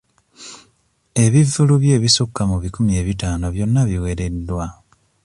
Ebivvulu bye ebisukka mu bikumi ebitaano byonna biwereddwa.